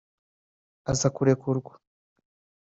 aza kurekurwa